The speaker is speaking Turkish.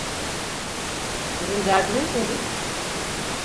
Sizin derdiniz nedir?